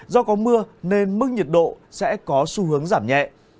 do có mưa nên mức nhiệt độ sẽ có xu hướng giảm nhẹ